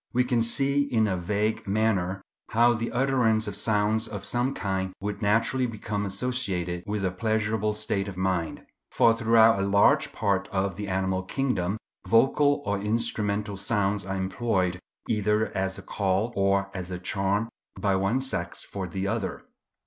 We can see in a vague manner how the utterance of sounds of some kind would naturally become associated with a pleasurable state of mind; for throughout a large part of the animal kingdom vocal or instrumental sounds are employed either as a call or as a charm by one sex for the other.